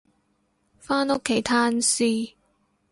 返屋企攤屍